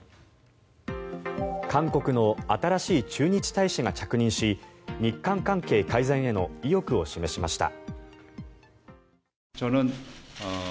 韓国の新しい駐日大使が着任し日韓関係改善への意欲を示しました。